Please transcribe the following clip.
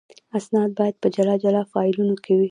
اسناد باید په جلا جلا فایلونو کې وي.